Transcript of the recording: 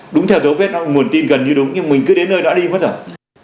đúng theo số vết nguồn tin gần như đúng nhưng mình cứ đến nơi đó đi mất rồi